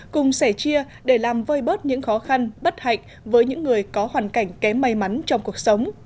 cùng sẻ chia để làm vơi bớt những khó khăn bất hạnh với những người có hoàn cảnh kém may mắn trong cuộc sống